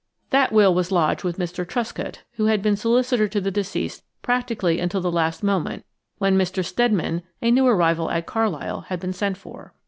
That will was lodged with Mr. Truscott, who had been solicitor to the deceased practically until the last moment, when Mr. Steadman, a new arrival at Carlisle, had been sent for.